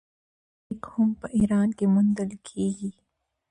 عقیق هم په ایران کې موندل کیږي.